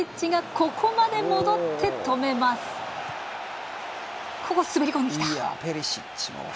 ここ滑り込んできた。